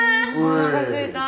おなかすいた。